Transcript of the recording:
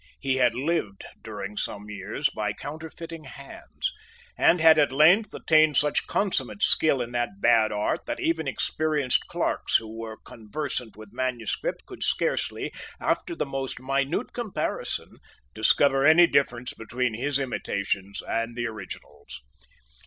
He had lived during some years by counterfeiting hands, and had at length attained such consummate skill in that bad art that even experienced clerks who were conversant with manuscript could scarcely, after the most minute comparison, discover any difference between his imitations and the originals.